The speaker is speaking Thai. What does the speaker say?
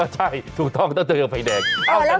ใช่ถูกต้องต้องเจอไฟแดงอ้าวแล้วเจออะไรอีก